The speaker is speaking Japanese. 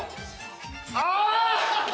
あ！